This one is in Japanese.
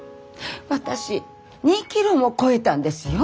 私２キロも肥えたんですよ？